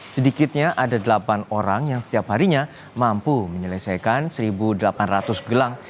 sedikitnya ada delapan orang yang setiap harinya mampu menyelesaikan satu delapan ratus gelang